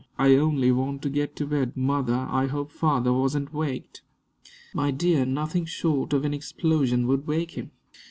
I only want to get to bed. Mother, I hope father wasn't waked." "My dear, nothing short of an explosion would wake him."